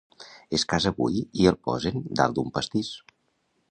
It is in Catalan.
Es casa avui i el posen dalt d'un pastís.